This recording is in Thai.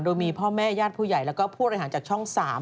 โดยมีพ่อแม่ญาติผู้ใหญ่แล้วก็ผู้บริหารจากช่อง๓